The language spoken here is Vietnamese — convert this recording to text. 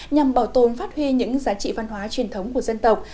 nhằm bảo tồn phát huy những giá trị văn hóa truyền thống của dân tộc